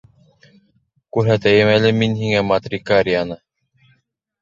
— Күрһәтәйем әле мин һиңә Матрикарианы!